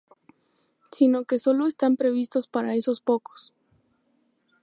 sino que solo están previstos para esos pocos